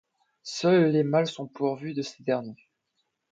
Seuls les mâles sont pourvus de ce dernier.